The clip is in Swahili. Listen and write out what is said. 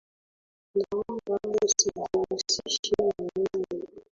Naomba usijihusishe na mimi